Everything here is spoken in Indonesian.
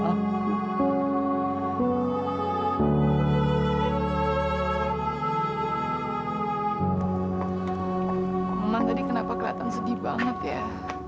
pak maman tadi kenapa kelihatan sedih banget ya